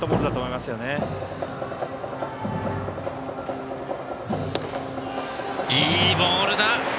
いいボールだ！